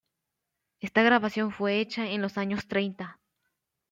Esta grabación fue hecha en los años treinta.